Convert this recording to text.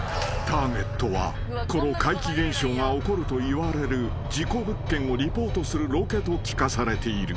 ［ターゲットはこの怪奇現象が起こるといわれる事故物件をリポートするロケと聞かされている］